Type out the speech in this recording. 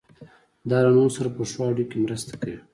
دا له نورو سره په ښو اړیکو کې مرسته کوي.